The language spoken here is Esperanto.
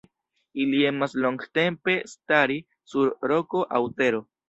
Ili emas longtempe stari sur roko aŭ tero.